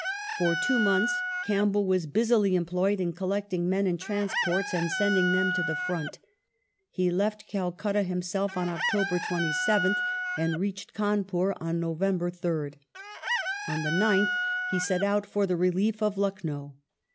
For two months Campbell was busily employed in collecting men and transports and sending them to the front ; he left Calcutta himself on October 27th, and reached Cawnpur on November 3rd. On the 9th he set out for the relief of Lucknow.